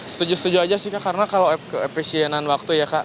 setuju setuju aja sih kak karena kalau keepisienan waktu ya kak